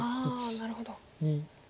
なるほど。